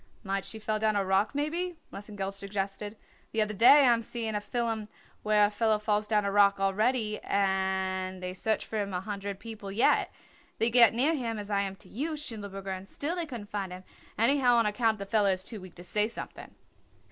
"Might she fell down a rock maybe?" Lesengeld suggested. "The other day I am seeing a fillum where a feller falls down a rock already and they search for him a hundred people yet. They get near him as I am to you, Schindelberger, and still they couldn't find him anyhow on account the feller is too weak to say something."